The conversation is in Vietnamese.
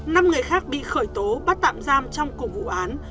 năm người khác bị khởi tố bắt tạm giam trong cùng vụ án